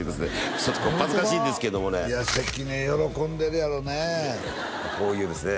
ちょっと小っ恥ずかしいんですけどもねいや関根喜んでるやろうねこういうですね